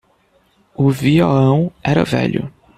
O vioão era velho.